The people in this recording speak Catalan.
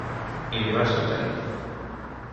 I m’hi vaig mantenir.